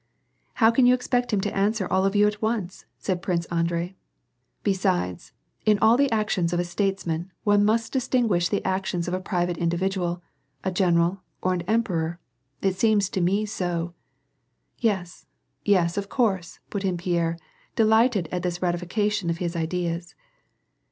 " How can you expect him to answer all of you at once ?" said Prince Andrei. " Besides, in the actions of a statesman, one must distinguish the actions of a private individual, a general, or an emperor. It seems to me so." " Yes, yes, of course," put in Pierre, delighted at this rati fication of his ideas.